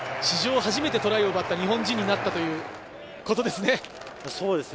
初めてトライを奪った日本人になったということですね。